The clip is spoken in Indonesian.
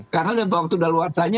karena dalam waktu daluarsanya